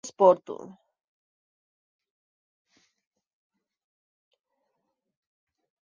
Brzy jej následovali další významní hráči tohoto sportu.